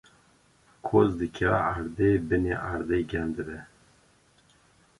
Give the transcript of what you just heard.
koz dikeve erdê, binê erdê germ dibe